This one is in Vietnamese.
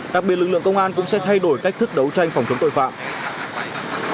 đặc biệt lực lượng công an cũng sẽ thay đổi cách thức đấu tranh phòng chống tội phạm